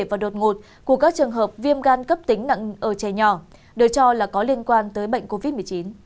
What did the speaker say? và đột ngột của các trường hợp viêm gan cấp tính nặng ở trẻ nhỏ được cho là có liên quan tới bệnh covid một mươi chín